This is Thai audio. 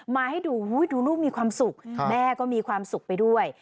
มาให้ดูดูลูกมีความสุขแม่ก็มีความสุขไปด้วย